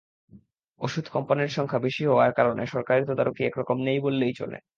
ওষুধ কোম্পানির সংখ্যা বেশি হওয়ার কারণে সরকারি তদারকি একরকম নেই বললেই চলে।